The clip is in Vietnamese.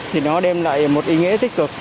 thì nó đem lại một ý nghĩa tích cực